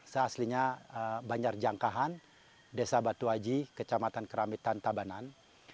saya aslinya banjarjangkahan desa batu aji kecamatan keramitan tabanan